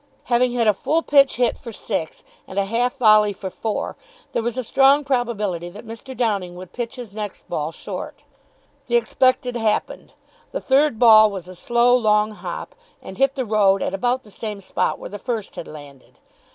Having had a full pitch hit for six and a half volley for four, there was a strong probability that Mr. Downing would pitch his next ball short. The expected happened. The third ball was a slow long hop, and hit the road at about the same spot where the first had landed.